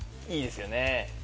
いいですよね。